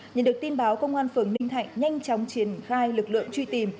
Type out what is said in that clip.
nhận được tin báo công an phường ninh thạnh nhanh chóng triển khai lực lượng truy tìm